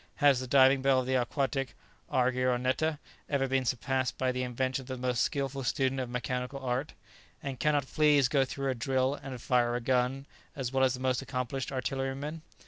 Has the diving bell of the aquatic argyroneta ever been surpassed by the invention of the most skilful student of mechanical art? And cannot fleas go through a drill and fire a gun as well as the most accomplished artilleryman?